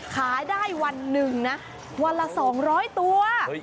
ขายได้วันหนึ่งนะวันละ๒๐๐ตัว